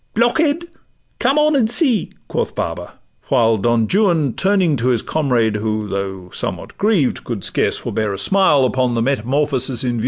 'Blockhead! come on, and see,' quoth Baba; while Don Juan, turning to his comrade, who Though somewhat grieved, could scarce forbear a smile Upon the metamorphosis in view,— 'Farewell!